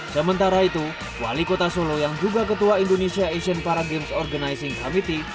sementara itu wali kota solo yang juga ketua indonesia asian para games organizing committee